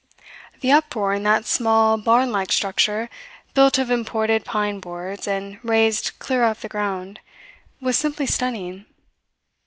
The uproar in that small, barn like structure, built of imported pine boards, and raised clear of the ground, was simply stunning.